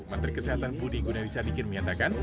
menteri kesehatan budi gunalisa dikin menyatakan